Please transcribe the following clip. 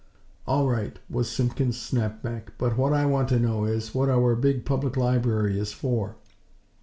"All right!" was Simpkins' snap back; "but what I want to know is, what our big Public Library is for.